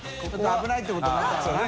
危ないってことになったんだな。